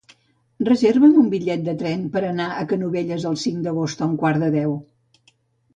Reserva'm un bitllet de tren per anar a Canovelles el cinc d'agost a un quart de deu.